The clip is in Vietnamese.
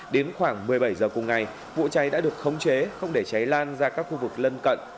đến khoảng một mươi bảy h cùng ngày vụ cháy đã được khống chế không để cháy lan ra các khu vực lân cận